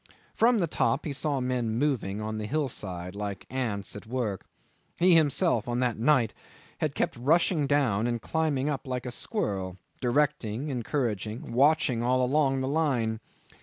From the top he saw men moving on the hillside like ants at work. He himself on that night had kept on rushing down and climbing up like a squirrel, directing, encouraging, watching all along the line.